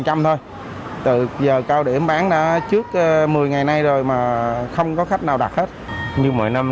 từ giờ cao điểm bán đã trước một mươi ngày nay rồi mà không có khách nào đặt hết như mỗi năm